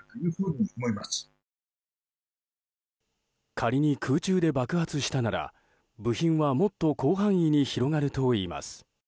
仮に、空中で爆発したなら部品は、もっと広範囲に広がるといいます。